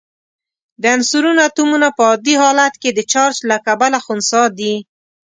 د عنصرونو اتومونه په عادي حالت کې د چارج له کبله خنثی دي.